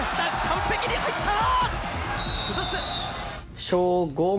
完璧に入った！